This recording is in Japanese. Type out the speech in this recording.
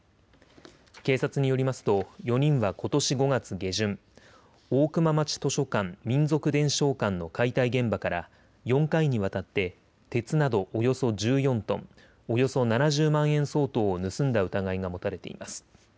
警察によりますと４人はことし５月下旬、大熊町図書館・民俗伝承館の解体現場から４回にわたって鉄などおよそ１４トンおよそ７０万円相当を盗んだ疑いが持たれています。